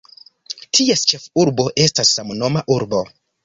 Ties ĉefurbo estas samnoma urbo.